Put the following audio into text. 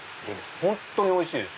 本当においしいです。